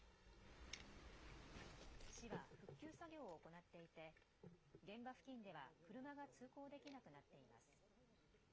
市は復旧作業を行っていて現場付近では車が通行できなくなっています。